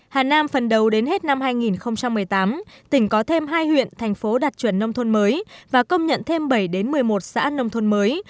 hà nam phần đầu đến hết năm hai nghìn một mươi tám tỉnh có thêm hai huyện thành phố đạt chuẩn nông thôn mới và công nhận thêm bảy đến một mươi một xã nông thôn mới